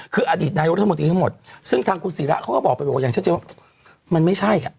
คืออดีตนายรุทธมตรีทั้งหมดซึ่งทางคุณศิราเขาก็บอกไปเต็มมันไม่ใช่ค่ะ